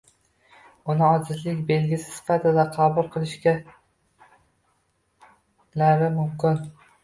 uni ojizlik belgisi sifatida qabul qilishlari mumkin.